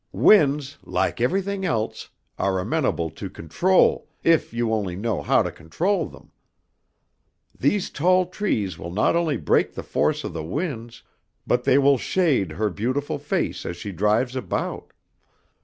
Winds, laik everything else, are amenable to control, if you only know how to control them. These tall trees will not only break the force of the winds, but they will shade her beautiful face as she drives about.